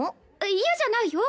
嫌じゃないよ。